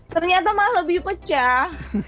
ternyata mah lebih pecah